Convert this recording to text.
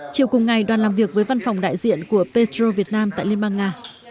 chiều cùng ngày đoàn làm việc với văn phòng đại diện của petro việt nam tại liên bang nga